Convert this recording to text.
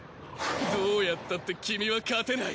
どうやったって君は勝てない。